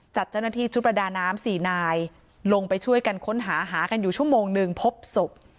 จัดเจ้าหน้าที่ชุดประดาน้ำสี่นายลงไปช่วยกันค้นหาหากันอยู่ชั่วโมงหนึ่งพบศพ